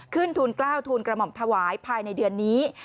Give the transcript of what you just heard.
ทุนกล้าวทูลกระหม่อมถวายภายในเดือนนี้